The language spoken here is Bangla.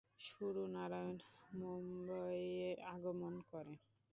গুরু নারায়ণ মুম্বইয়ে আগমন করে।